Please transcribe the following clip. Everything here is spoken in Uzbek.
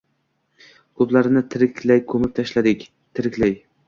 Ko‘plarini tiriklay ko‘mib tashladik, tiriklay!